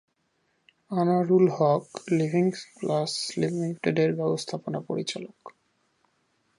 Anwarul Haque living plus লিমিটেডের ব্যবস্থাপনা পরিচালক।